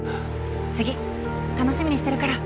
次楽しみにしてるから。